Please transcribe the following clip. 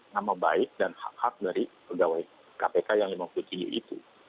nama baik dan hak hak dari pegawai kpk yang lima puluh tujuh itu